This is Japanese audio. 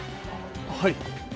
はい。